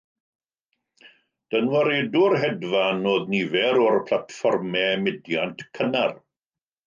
Dynwaredwr hedfan oedd nifer o'r platfformau mudiant cynnar.